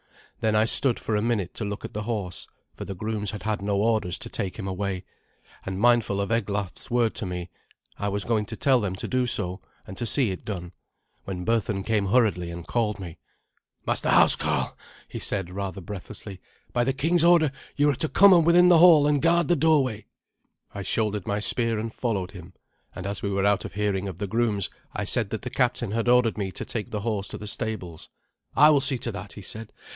Then I stood for a minute to look at the horse, for the grooms had had no orders to take him away; and mindful of Eglaf's word to me, I was going to tell them to do so, and to see it done, when Berthun came hurriedly and called me. "Master Housecarl," he said rather breathlessly, "by the king's order you are to come within the hall and guard the doorway." I shouldered my spear and followed him, and as we were out of hearing of the grooms I said that the captain had ordered me to take the horse to the stables. "I will see to that," he said.